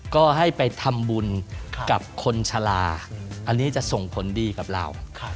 ก็ให้ไปทำบุญกับคนชะลาอันนี้จะส่งผลดีกับเรา